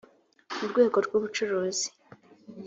mu rwego rw ubucuruzi